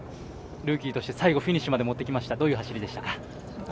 ルーキーとして最後フィニッシュまで、どういう走りでしたか？